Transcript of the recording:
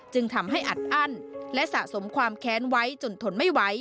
จึงทำให้อัดอั้นและสะสมความแค้นไว้จนทนไม่ไหว